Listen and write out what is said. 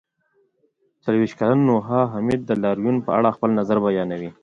څلرویشت کلن نوحه حامد د لاریون په اړه خپل نظر بیانوي.